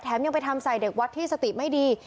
ยังไปทำใส่เด็กวัดที่สติไม่ดี